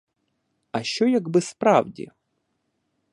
А що, якби справді?